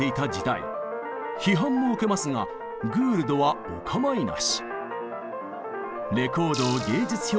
批判も受けますがグールドはお構いなし。